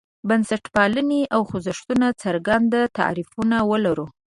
بنسټپالنې او خشونت څرګند تعریفونه ولرو.